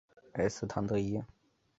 埃斯唐德伊。